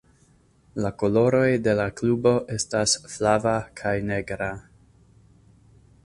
La koloroj de la klubo estas flava kaj negra.